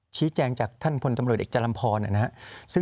ชี้แจงจากท่านพลตำรวจเอกจรรย์ลำพอเนี่ยนะฮะ